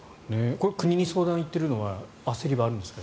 これ、国に相談が行っているのは焦りはあるんですか？